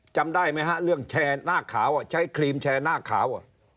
จำได้ไหมฮะเรื่องแชร์หน้าขาวใช้ครีมแชร์หน้าขาว